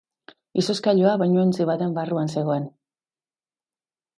Izozkailua bainuontzi baten barruan zegoen.